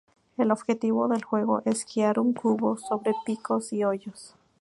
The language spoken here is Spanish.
El objetivo del juego es guiar un cubo sobre picos y hoyos.